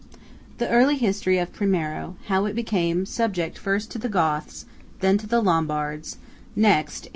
The early history of Primiero–how it became subject first to the Goths; then to the Lombards; next (A.